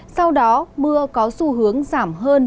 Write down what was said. sau đó mưa có xu hướng giảm hơn